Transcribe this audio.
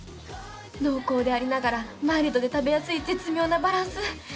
濃厚でありながらマイルドで食べやすい絶妙なバランス。